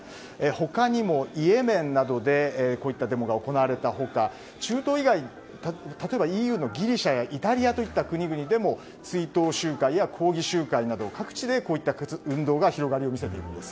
他にも、イエメンなどでこういったデモが行われた他中東以外、例えばＥＵのギリシャやイタリアといった国など追悼集会や抗議集会など各地でこういった運動が広がりを見せているんです。